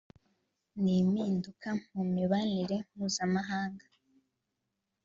n’impinduka mu mibanire mpuza mahanga